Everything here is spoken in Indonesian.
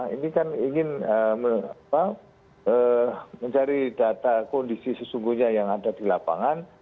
ini kan ingin mencari data kondisi sesungguhnya yang ada di lapangan